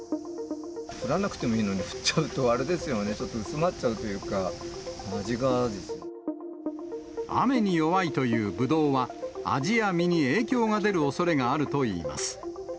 降らなくてもいいのに、降っちゃうとあれですよね、ちょっと薄まっちゃうというか、雨に弱いというぶどうは、味や実に影響が出るおそれがあるといいます。